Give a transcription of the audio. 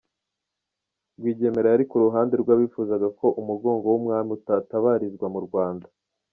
Rwigemera yari ku ruhande rw’abifuzaga ko umugogo w’umwami utatabarizwa mu Rwanda.